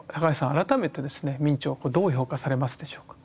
改めてですね明兆どう評価されますでしょうか。